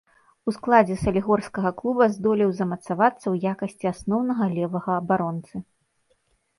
У складзе салігорскага клуба здолеў замацавацца ў якасці асноўнага левага абаронцы.